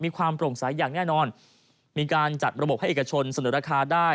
ความโปร่งใสอย่างแน่นอนมีการจัดระบบให้เอกชนเสนอราคาได้